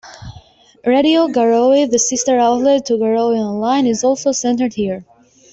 Radio Garowe, the sister outlet to Garowe Online, is also centered here.